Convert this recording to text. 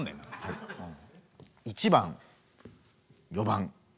１番４番。